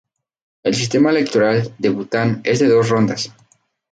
El sistema electoral de Bután es de dos rondas.